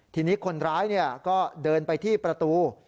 ทีนี้คนร้ายก็เดินไปที่ประตู